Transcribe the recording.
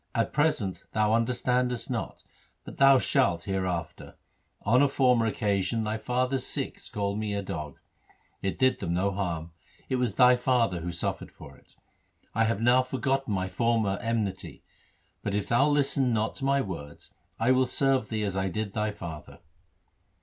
At present thou understandest not, but thou shalt hereafter. On a former occasion thy father's Sikhs called me a dog. It did them no harm j it was thy father who suffered for it. I have now forgotten my former enmity ; but if thou listen not to my words, I will serve thee as I did thy father.'